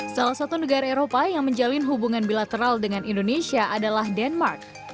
salah satu negara eropa yang menjalin hubungan bilateral dengan indonesia adalah denmark